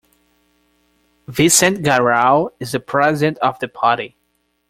Vicente Garau is the president of the party.